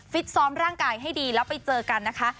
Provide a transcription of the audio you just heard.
ซ้อมร่างกายให้ดีแล้วไปเจอกันนะคะ